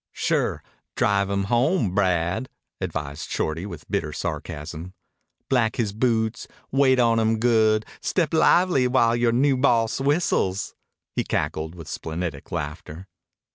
"Sure. Drive him home, Brad," advised Shorty with bitter sarcasm. "Black his boots. Wait on him good. Step lively when yore new boss whistles." He cackled with splenetic laughter.